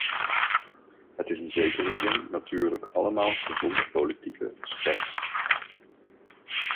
Het is in zekere zin natuurlijk allemaal gezonde politieke scherts.